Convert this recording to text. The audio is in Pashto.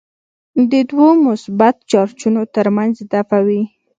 د دوو مثبت چارجونو ترمنځ دفعه وي.